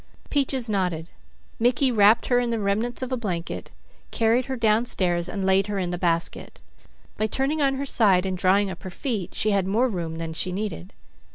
Peaches nodded. Mickey wrapped her in the remnants of a blanket, carried her downstairs and laid her in the basket. By turning on her side and drawing up her feet, she had more room than she needed.